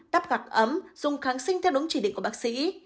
đắp gạc ấm dùng kháng sinh theo đúng chỉ định của bác sĩ